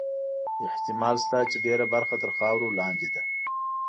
احتمال شته چې ډېره برخه تر خاورو لاندې ده.